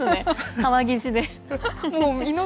川岸で。